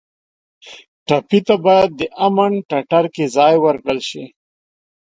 ټپي ته باید د امن ټټر کې ځای ورکړل شي.